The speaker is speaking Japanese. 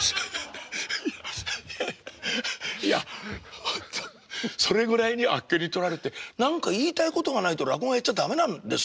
いやほんとそれぐらいにあっけにとられて何か言いたいことがないと落語はやっちゃ駄目なんですか？